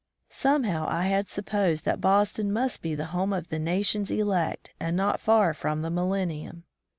Some how I had supposed that Boston must be the home of the nation's elect and not far from the millenium.